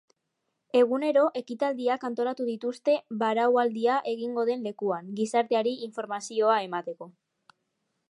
Egunero ekitaldiak antolatu dituzte baraualdia egingo den lekuan, gizarteari informazioa emateko.